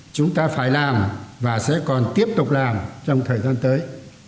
chúng ta phải làm và sẽ còn tiếp tục làm trong thời gian tới